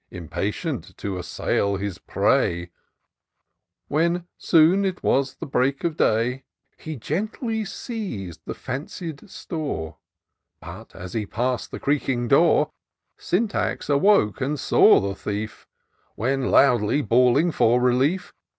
Impatient to assail his prey j When, soon as it was dawn of day. He gently seiz'd the fancied store ; But, as he pass'd the creaking door. Syntax awoke, and saw the thief; When, loudly bawling for relief.